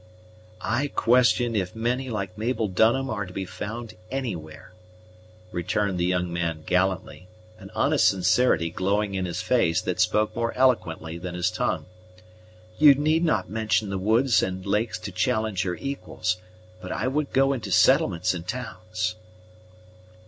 "I question if many like Mabel Dunham are to be found anywhere," returned the young man gallantly, an honest sincerity glowing in his face that spoke more eloquently than his tongue; "you need not mention the woods and lakes to challenge her equals, but I would go into settlements and towns."